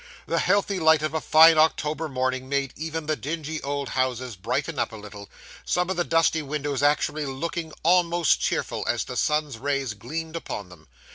The healthy light of a fine October morning made even the dingy old houses brighten up a little; some of the dusty windows actually looking almost cheerful as the sun's rays gleamed upon them.